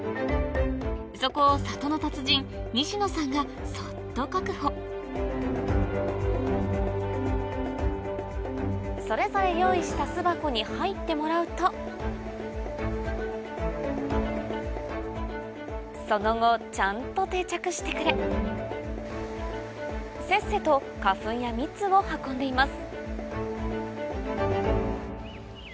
そこをがそっと確保それぞれ用意した巣箱に入ってもらうとその後ちゃんとせっせと花粉や蜜を運んでいます